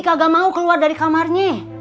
kagak mau keluar dari kamarnya